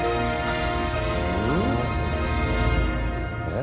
えっ？